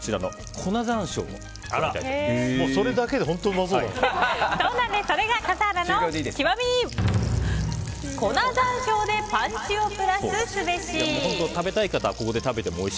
粉山椒でパンチをプラスすべし。